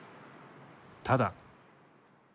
ただ。